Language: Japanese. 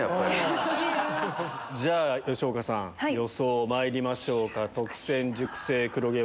吉岡さん予想まいりましょうか。